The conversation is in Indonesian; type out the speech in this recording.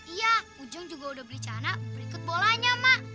iya ujang juga sudah bericara berikut bolanya ma